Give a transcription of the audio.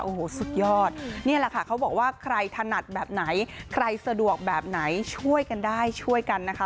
โอ้โหสุดยอดนี่แหละค่ะเขาบอกว่าใครถนัดแบบไหนใครสะดวกแบบไหนช่วยกันได้ช่วยกันนะคะ